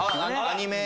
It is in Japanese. アニメ